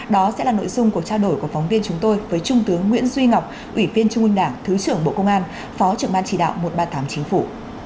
đó sẽ là nội dung cuộc trao đổi của phóng viên chúng tôi với trung tướng nguyễn duy ngọc ủy viên trung ương đảng thứ trưởng bộ công an phó trưởng ban chỉ đạo một trăm ba mươi tám chính phủ